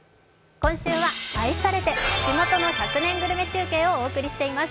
今週は「愛されて地元の１００年グルメ中継」をお送りしています。